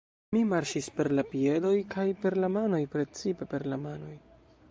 Mi marŝis per la piedoj kaj per la manoj, precipe per la manoj.